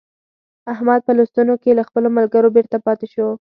احمد په لوستونو کې له خپلو ملګرو بېرته پاته شو.